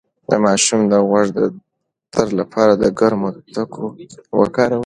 د ماشوم د غوږ د درد لپاره د ګرمو تکو وکاروئ